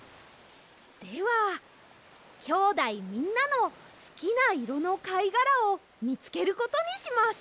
ではきょうだいみんなのすきないろのかいがらをみつけることにします。